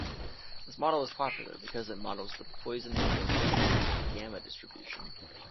This model is popular because it models the Poisson heterogeneity with a gamma distribution.